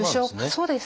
そうです。